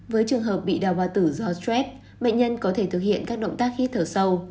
với trường hợp bị đau ba tử do stress bệnh nhân có thể thực hiện các động tác hít thở sâu